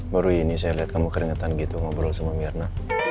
baru ini saya lihat kamu keringetan gitu ngobrol sama mirna